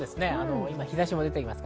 日差しも出ています。